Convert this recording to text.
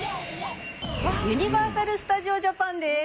「ユニバーサル・スタジオ・ジャパンです」